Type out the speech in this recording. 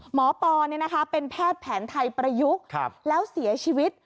ปอเป็นแพทย์แผนไทยประยุกต์แล้วเสียชีวิต